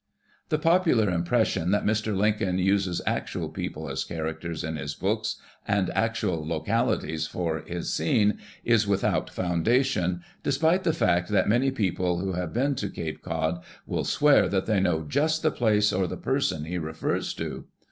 The popular impression that Mr. Lincoln uses actual people as characters in his books and actual localities for his scene is without foundation, despite tlie fact tliat many people who have been to Cape Cod will swear that they know just the place or the person he refers to.